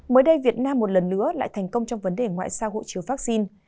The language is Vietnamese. mới đây việt nam một lần nữa lại thành công trong vấn đề ngoại sao hộ chiếu vaccine